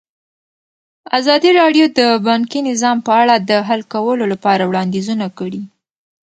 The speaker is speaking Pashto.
ازادي راډیو د بانکي نظام په اړه د حل کولو لپاره وړاندیزونه کړي.